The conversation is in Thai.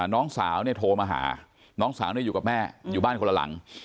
น้องสาวเนี่ยโทรมาหาน้องสาวอยู่กับแม่อยู่บ้านคนละหลัง